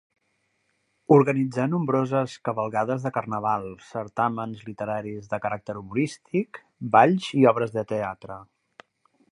Organitzà nombroses cavalcades de Carnaval, certàmens literaris de caràcter humorístic, balls i obres de teatre.